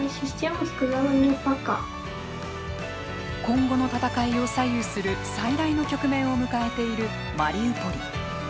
今後の戦いを左右する最大の局面を迎えているマリウポリ。